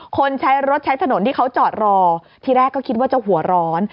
คนใช้รถใช้ถนนที่เขาจอดรอทีแรกก็คิดว่าจะหัวร้อน